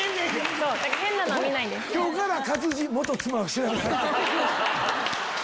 今日から。